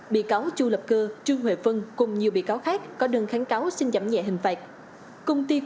bị cáo chu lập cơ trương huệ vân cùng nhiều bị cáo khác có đơn kháng cáo xin giảm nhẹ hình phạt